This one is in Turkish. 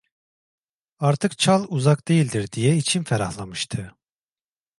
Artık Çal uzak değildir diye içim ferahlamıştı.